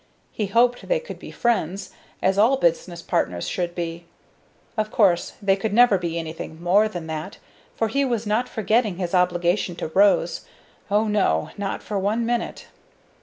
He hoped they could be friends, as all business partners should be. Of course they could never be anything more than that; for he was not forgetting his obligation to Rose oh no, not for one minute.